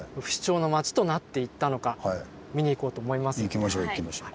行きましょう行きましょう。